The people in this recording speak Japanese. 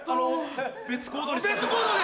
別行動で！